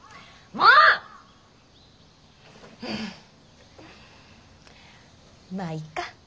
まあいっか。